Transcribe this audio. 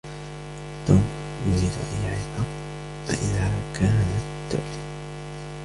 توم يريد أن يعرف م إذا كانت تؤلِم.